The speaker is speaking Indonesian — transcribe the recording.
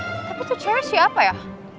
eh tapi tuh cewek siapa ya